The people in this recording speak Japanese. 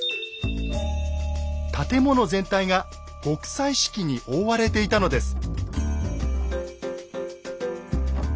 建物全体が極彩色に覆われていたのです。